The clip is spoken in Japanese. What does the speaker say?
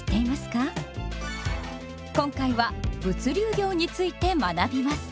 今回は「物流業」について学びます。